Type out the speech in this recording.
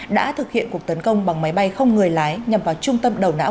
đã thực hiện cuộc tấn công bằng máy bay không người lái nhằm vào trung tâm đầu não